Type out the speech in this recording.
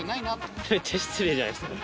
失礼じゃないですか。